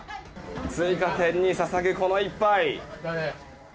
追加点に捧ぐ、この一杯。